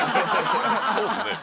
そうですね。